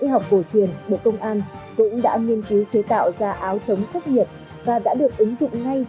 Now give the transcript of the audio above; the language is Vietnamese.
y học cổ truyền bộ công an cũng đã nghiên cứu chế tạo ra áo chống sốc nhiệt và đã được ứng dụng ngay